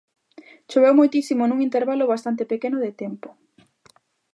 Choveu moitísimo nun intervalo bastante pequeno de tempo.